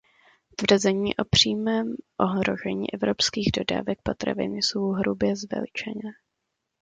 Tvrzení o přímém ohrožení evropských dodávek potravin jsou hrubě zveličené.